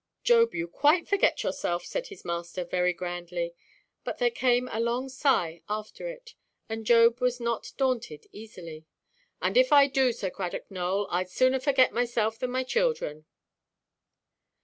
"Job, you quite forget yourself," said his master, very grandly; but there came a long sigh after it, and Job was not daunted easily. "And, if I do, Sir Cradock Nowell, Iʼd sooner forget myself than my children."